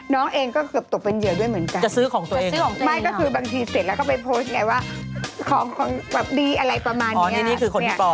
เพราะฉะนั้นจะซื้อจากของอะไรก็ดีนะคะ